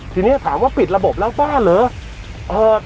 ทีนี้ถามว่าปิดระบบแล้วบ้าเหรอ